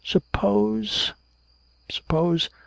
Suppose, suppose....